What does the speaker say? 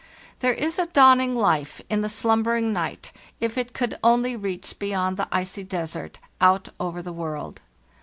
There is a dawning life in the slum bering night, if it could only reach beyond the icy desert, out over the world.